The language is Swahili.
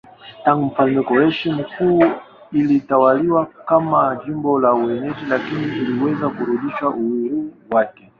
Tangu mfalme Koreshi Mkuu ilitawaliwa kama jimbo la Uajemi lakini iliweza kurudisha uhuru wake.